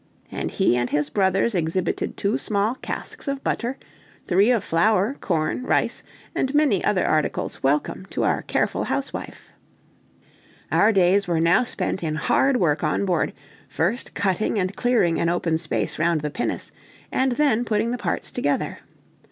and he and his brothers exhibited two small casks of butter, three of flour, corn, rice, and many other articles welcome to our careful housewife. Our days were now spent in hard work on board, first cutting and clearing an open space round the pinnace, and then putting the parts together.